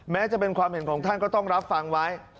แม้จะเป็นความเห็นของท่านก็ต้องรับฟังไว้